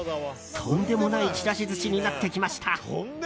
とんでもないちらし寿司になってきました。